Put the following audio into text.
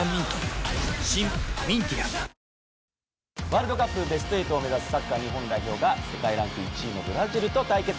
ワールドカップベスト８を目指すサッカー日本代表が世界ランク１位のブラジルと対決。